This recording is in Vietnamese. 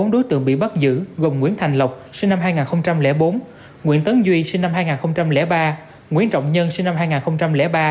bốn đối tượng bị bắt giữ gồm nguyễn thành lộc sinh năm hai nghìn bốn nguyễn tấn duy sinh năm hai nghìn ba nguyễn trọng nhân sinh năm hai nghìn ba